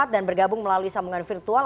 dan bergabung melalui sambungan virtual